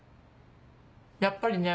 やっぱりね。